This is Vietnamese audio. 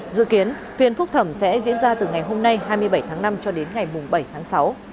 dự kiến phiên phúc thẩm sẽ diễn ra từ ngày hôm nay hai mươi bảy tháng năm cho đến ngày bảy tháng sáu